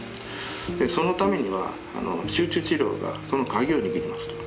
そのためには集中治療がその鍵を握りますと。